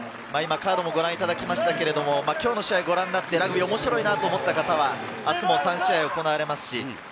カードもご覧いただきましたけれど、今日の試合、ご覧になって、ラグビー面白いなと思った方は、明日も３試合行われます。